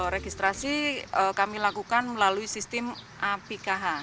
registrasi kami lakukan melalui sistem api kh